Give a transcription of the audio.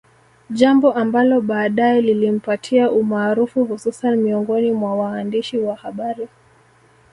Jambo ambalo baadae lilimpatia umaarufu hususan miongoni mwa waandishi wa habari